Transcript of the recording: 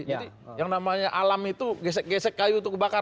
jadi yang namanya alam itu gesek gesek kayu itu kebakar